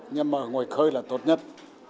nhưng mà ở ngoài khơi là tốt nhất